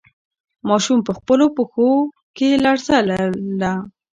ماشوم په خپلو پښو کې لړزه لرله.